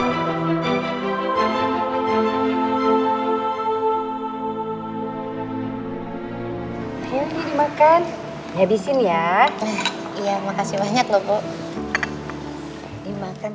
saya bener bener ada pekerjaan yang harus saya lakukan